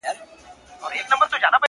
يوه بهرنۍ ښځه عکس اخلي او يادښتونه ليکي-